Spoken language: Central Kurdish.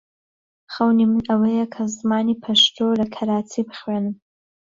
خەونی من ئەوەیە کە زمانی پەشتۆ لە کەراچی بخوێنم.